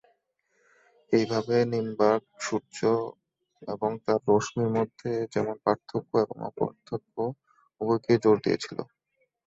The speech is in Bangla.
এইভাবে নিম্বার্ক সূর্য এবং তার রশ্মির মধ্যে যেমন পার্থক্য এবং অ-পার্থক্য উভয়কেই জোর দিয়েছিল।